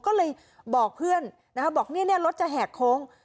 ก็เลยบอกเพื่อนนะคะบอกเนี่ยรถจะแหกโค้ง